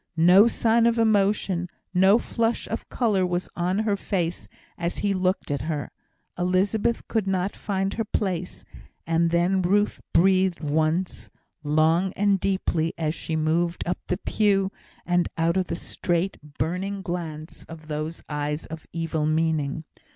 No sign of emotion, no flush of colour was on her face as he looked at her. Elizabeth could not find her place, and then Ruth breathed once, long and deeply, as she moved up the pew, and out of the straight, burning glance of those eyes of evil meaning.